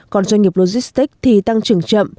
còn doanh nghiệp logistic thì tăng trưởng chậm